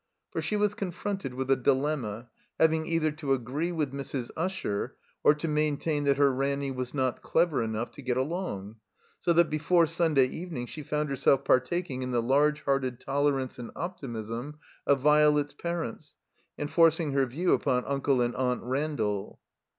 For she was confronted with a dilemma, having either to agree with Mrs. Usher or to maintain that her Ranny was not clever enough to get along. So that before Simday evening she f otmd herself par taking in the large hearted tolerance and optimism of Violet's parents, and forcing her view upon Unde and Aunt Randall.